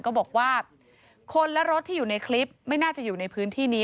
ก็บอกว่าคนและรถที่อยู่ในคลิปไม่น่าจะอยู่ในพื้นที่นี้